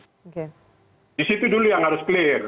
oke disitu dulu yang harus clear